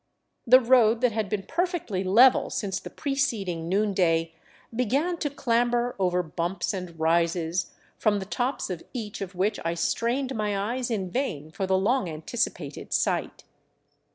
The road that had been perfectly level since the preceding noonday began to clamber over bumps and rises, from the tops of each of which I strained my eyes in vain for the long anticipated sight.